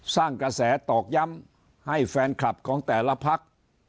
สร้างกระแสตอกย้ำให้แฟนคลับของแต่ละพัก